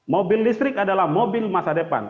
mobil listrik adalah mobil masa depan